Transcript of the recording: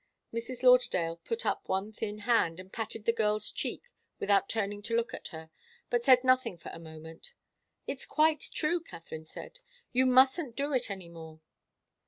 Mrs. Lauderdale put up one thin hand, and patted the girl's cheek without turning to look at her, but said nothing for a moment. "It's quite true," Katharine said. "You mustn't do it any more."